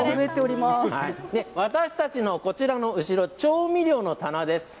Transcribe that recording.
私たちの後ろ調味料の棚です。